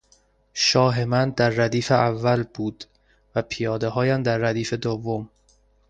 شاه من در ردیف اول بود و پیادههایم در ردیف دوم.